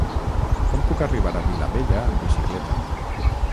Com puc arribar a Vilabella amb bicicleta?